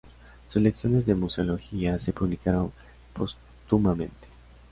Sus Lecciones de Museología se publicaron póstumamente.